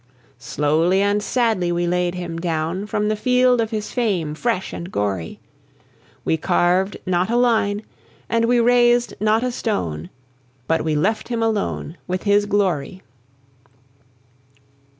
Slowly and sadly we laid him down, From the field of his fame fresh and gory; We carved not a line, and we raised not a stone But we left him alone with his glory!